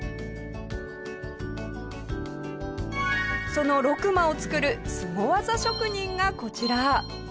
そのロクマを作るスゴ技職人がこちら。